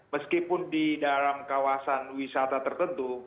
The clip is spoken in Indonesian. meskipun di dalam kawasan wisata tertentu